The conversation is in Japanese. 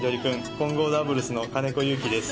混合ダブルスの金子祐樹です。